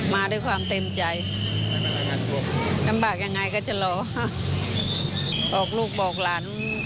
มาด้วยความเต็มใจลำบากยังไงก็จะรอบอกลูกบอกหลาน